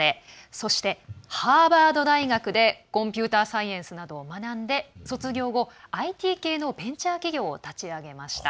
そして、ハーバード大学でコンピューターサイエンスなどを学んで卒業後、ＩＴ系のベンチャー企業を立ち上げました。